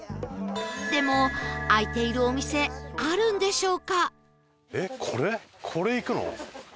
でも開いているお店あるんでしょうか？